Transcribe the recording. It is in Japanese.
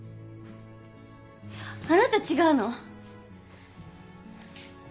あなた違うの？